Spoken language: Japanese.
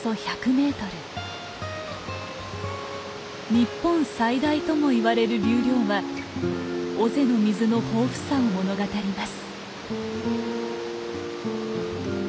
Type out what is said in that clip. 日本最大ともいわれる流量は尾瀬の水の豊富さを物語ります。